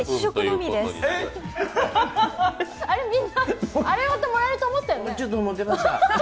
みんな、あれごともらえると思ったよね？